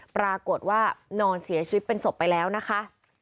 ปรากฏว่านอนเสียชีวิตเป็นศพไปแล้วนะคะ